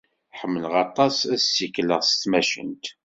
Ḥemmleɣ aṭas ad ssikleɣ s tmacint.